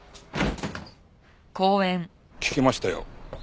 聞きましたよ。